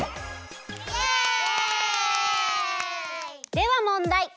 ではもんだい。